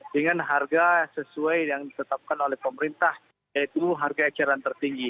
dengan harga sesuai yang ditetapkan oleh pemerintah yaitu harga eceran tertinggi